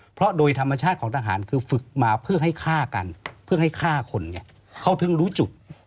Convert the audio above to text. เพราะโดยธรรมชาติของทหารคือฝึกมาเพื่อให้ฆ่ากันเพื่อให้ฆ่าคนไงเขาถึงรู้จุด